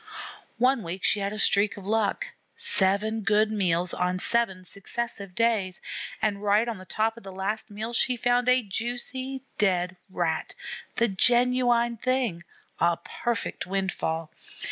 One week she had a streak of luck. Seven good meals on seven successive days; and right on the top of the last meal she found a juicy dead Rat, the genuine thing, a perfect windfall.